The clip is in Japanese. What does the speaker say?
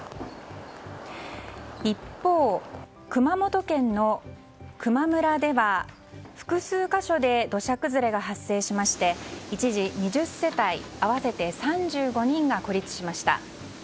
一方、熊本県の球磨村では複数箇所で土砂崩れが発生しまして一時、２０世帯合わせて３５人が孤立しました。